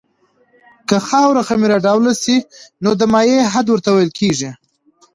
که خاوره خمیر ډوله شي نو د مایع حد ورته ویل کیږي